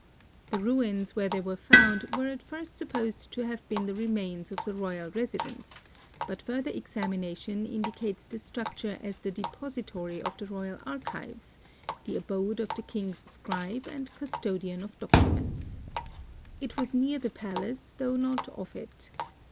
The ruins where they were found were at first supposed to have been the remains of the royal residence, but further examination indicates this structure as the depository of the royal archives, the abode of the king's scribe and custodian of documents. It was near the palace though not of it.